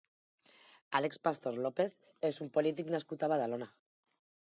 Àlex Pastor López és un polític nascut a Badalona.